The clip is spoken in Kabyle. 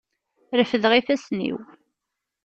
Refdeɣ ifassen-iw.